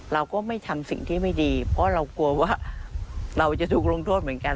เราก็ไม่ทำสิ่งที่ไม่ดีเพราะเรากลัวว่าเราจะถูกลงโทษเหมือนกัน